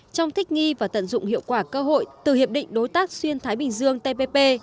trong thích nghi và tận dụng hiệu quả cơ hội từ hiệp định đối tác xuyên thái bình dương tpp